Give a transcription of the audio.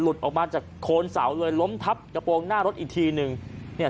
ออกมาจากโคนเสาเลยล้มทับกระโปรงหน้ารถอีกทีนึงเนี่ย